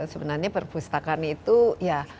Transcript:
sebenarnya perpustakaan itu ya